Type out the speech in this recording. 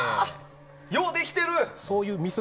ようできてる！